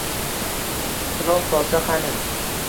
Quloq solsa qani!